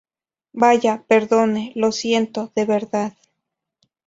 ¡ vaya, perdone, lo siento, de verdad!